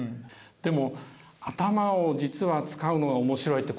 でも「頭を実は使うのが面白い」って